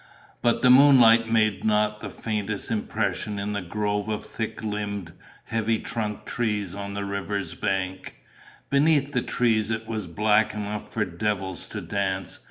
But the moonlight made not the faintest impression in the grove of thick limbed, heavy trunked trees on the river's bank. Beneath the trees it was black enough for devils to dance.